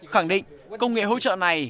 khẳng định công nghệ hỗ trợ này